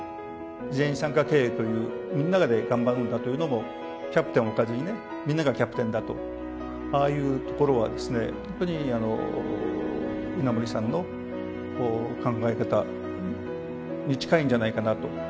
全員参加経営という、みんなで頑張るんだというのも、キャプテンを置かずに、みんながキャプテンだと、ああいうところは、本当に稲盛さんの考え方に近いんじゃないかなと。